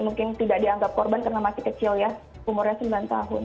mungkin tidak dianggap korban karena masih kecil ya umurnya sembilan tahun